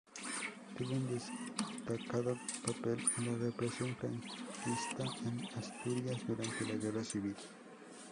Tuvo un destacado papel en la represión franquista en Asturias durante la Guerra civil.